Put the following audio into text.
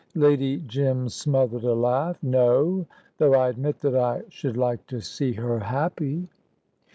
Lady Jim smothered a laugh. "No; though I admit that I should like to see her happy."